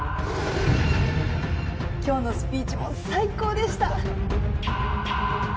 今日のスピーチも最高でした。